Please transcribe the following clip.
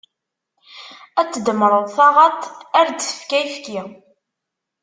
Ar tdemmreḍ taɣaṭ, ar ad d-tefk ayefki.